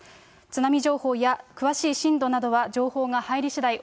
津波情報や、詳しい震度などは情報が入りしだい